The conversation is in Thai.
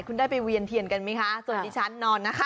คุณได้ไปเวียนเทียนกันไหมคะสวัสดีฉันนอนนะคะ